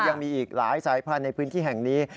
ยังมีอีกหลายสายพันธุ์ในพื้นที่แห่งนี้